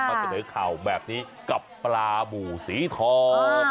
มาเสนอข่าวแบบนี้กับปลาบูสีทอง